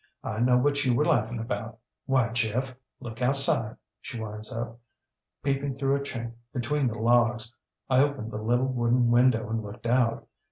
I know what you were laughing about. Why, Jeff, look outside, ŌĆÖ she winds up, peeping through a chink between the logs. I opened the little wooden window and looked out.